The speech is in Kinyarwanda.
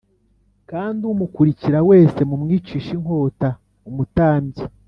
Kandi Umukurikira Wese Mumwicishe Inkota Umutambyi